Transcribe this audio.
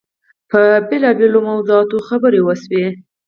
په بېلابېلو موضوعاتو خبرې وشوې.